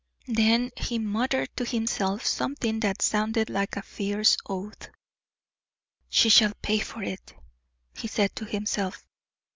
Then he muttered to himself something that sounded like a fierce oath: "She shall pay for it," he said to himself.